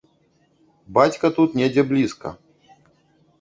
Бацька тут недзе блізка.